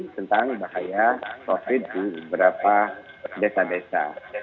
tentang bahaya covid sembilan belas di beberapa desa desa